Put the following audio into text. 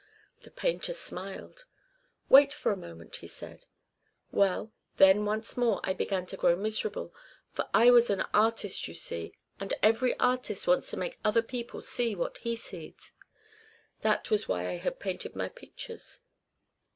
The painter smiled. "Wait for a moment," he said. "Well, then once more I began to grow miserable. For I was an artist, you see, and every artist wants to make other people see what he sees. That was why I had painted my pictures.